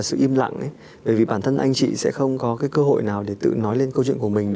tức là lúc đấy thì người ta cũng chuyển lại cho mình